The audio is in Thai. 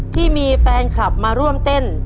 ที่มีแฟนคลับมาร่วมเต้น